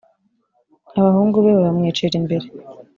abahungu be babamwicira imbere